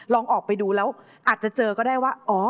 ลองออกไปดูแล้วอาจจะเจอก็ได้ว่า